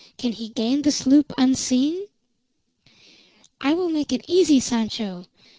Can he gain the sloop unseen?" "I will make it easy, Sancho.